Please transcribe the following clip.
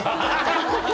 ハハハ！